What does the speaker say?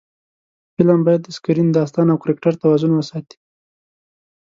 فلم باید د سکرېن، داستان او کرکټر توازن وساتي